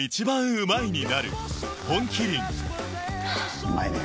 うまいねぇ。